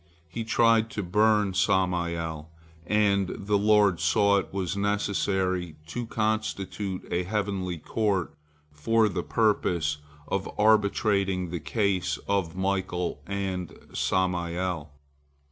He tried to burn Samael, and the Lord saw it was necessary to constitute a heavenly court for the purpose of arbitrating the case of Michael and Samael.